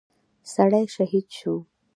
سړى شهيد شو.